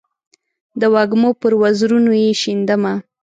د وږمو پر وزرونو یې شیندمه